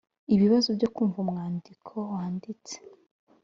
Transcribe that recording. ibibazo byo kumva umwandiko wanditse